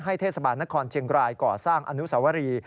เทศบาลนครเชียงรายก่อสร้างอนุสวรี